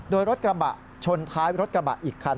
โดยรถกระบะชนท้ายรถกระบะอีกคัน